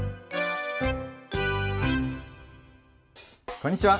こんにちは。